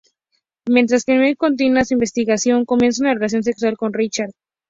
Mientras Camille continúa su investigación, comienza una relación sexual con Richard.